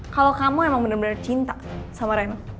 kalau kamu emang bener bener cinta sama rem